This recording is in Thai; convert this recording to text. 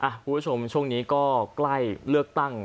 คุณผู้ชมช่วงนี้ก็ใกล้เลือกตั้ง